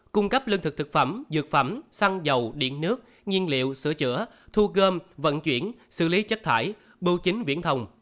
cung cấp lương thực thực phẩm dược phẩm xăng dầu điện nước nhiên liệu sửa chữa thu gom vận chuyển xử lý chất thải bưu chính viễn thông